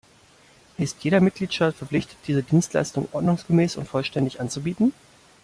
Ist jeder Mitgliedstaat verpflichtet, diese Dienstleistung ordnungsgemäß und vollständig anzubieten?